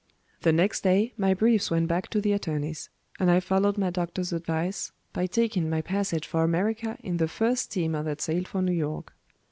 The next day my briefs went back to the attorneys; and I followed my doctor's advice by taking my passage for America in the first steamer that sailed for New York.